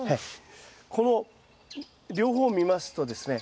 この両方を見ますとですね